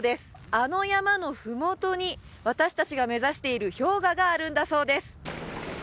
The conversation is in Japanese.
あの山のふもとに私達が目指している氷河があるんだそうです